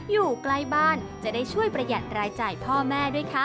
อยู่ใกล้บ้านจะได้ช่วยประหยัดรายจ่ายพ่อแม่ด้วยค่ะ